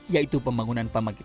yaitu pembangunan pembangunan